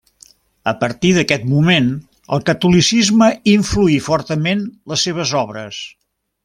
A partir d'aquest moment, el catolicisme influí fortament les seves obres.